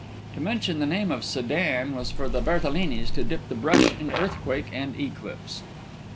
To mention the name of Sédan was for the Berthelinis to dip the brush in earthquake and eclipse.